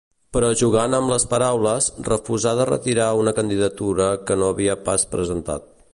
Però jugant amb les paraules, refusà de retirar una candidatura que no havia pas presentat.